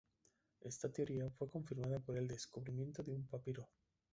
Esta teoría fue confirmada por el descubrimiento de un papiro.